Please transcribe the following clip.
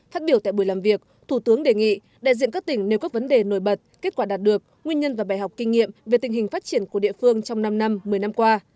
phát biểu tại buổi làm việc thủ tướng đề nghị đại diện các tỉnh nêu các vấn đề nổi bật kết quả đạt được nguyên nhân và bài học kinh nghiệm về tình hình phát triển của địa phương trong năm năm một mươi năm qua